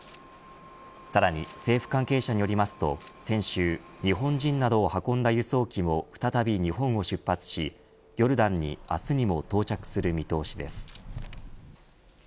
さらに政府関係者によりますと先週日本人などを運んだ輸送機も再び日本を出発しヨルダンに、明日にも到着する見通しです。